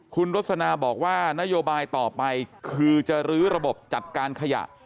คุณรสนาบอกว่านโยบายต่อไปคือจะรื้อระบบจัดการขยะ